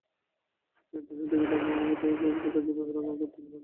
চোখে তাঁহাকে দেখিতাম না বলিয়া তাঁহাকে সর্বদা কাছে পাইবার আকাঙক্ষা অত্যন্ত বাড়িয়া উঠিল।